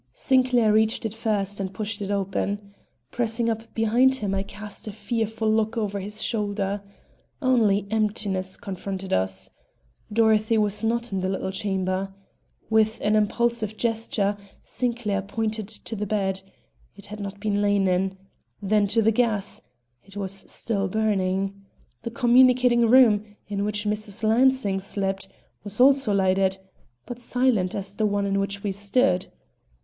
Sinclair reached it first and pushed it open. Pressing up behind him, I cast a fearful look over his shoulder. Only emptiness confronted us. Dorothy was not in the little chamber. With an impulsive gesture Sinclair pointed to the bed it had not been lain in; then to the gas it was still burning. The communicating room, in which Mrs. Lansing slept, was also lighted, but silent as the one in which we stood.